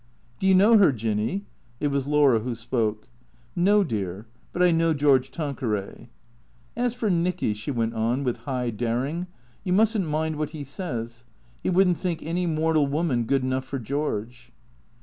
" Do you know her. Jinny ?" It was Laura who spoke. " No, dear. But I know George Tanqueray." " As for Nicky," she went on, with high daring, " you must n't mind what he says. He would n't think any mortal woman good enough for George."